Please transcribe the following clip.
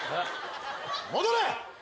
戻れ！